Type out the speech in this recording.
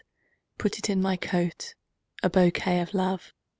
put it in my coat,A bouquet of Love!